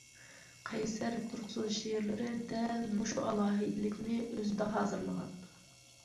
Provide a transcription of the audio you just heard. قەيسەر تۇرسۇن شېئىرلىرى دەل مۇشۇ ئالاھىدىلىكنى ئۆزىدە ھازىرلىغان.